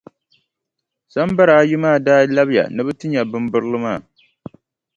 Sambara ayi maa daa labiya ni bɛ ti nya bimbirili maa.